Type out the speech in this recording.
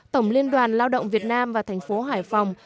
tổng liên đoàn lao động việt nam và thành phố hải phòng